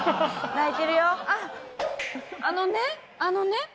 あのねあのね